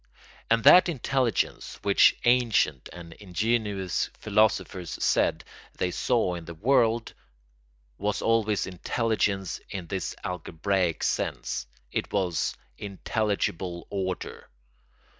And that intelligence which ancient and ingenuous philosophers said they saw in the world was always intelligence in this algebraic sense, it was intelligible order.